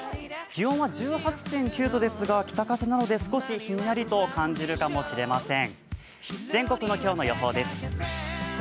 気温は１８．９度ですが、北風なので少しひんやりと感じるかもしれません。